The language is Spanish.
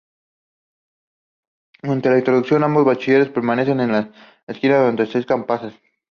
Durante la introducción, ambos bailarines permanecen en la esquina durante seis compases.